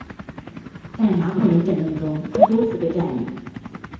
在拿破仑战争中它多次被占领。